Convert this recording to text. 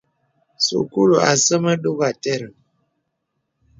Sūkūlu asə mə dògà àtərəŋ.